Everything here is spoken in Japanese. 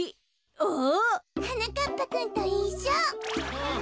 あ！はなかっぱくんといっしょ。